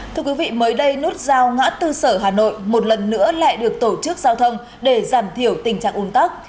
thưa quý vị mới đây nút giao ngã tư sở hà nội một lần nữa lại được tổ chức giao thông để giảm thiểu tình trạng ồn tắc